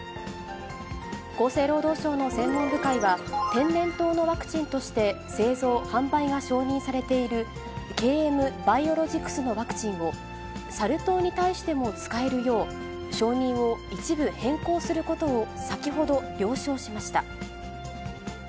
厚生労働省の専門部会は、天然痘のワクチンとして製造・販売が承認されている、ＫＭバイオロジクスのワクチンを、サル痘に対しても使えるよう、承認を一部変更することを先ほど、了承しました。